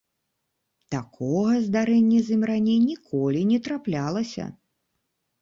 Такога здарэння з ім раней ніколі не траплялася!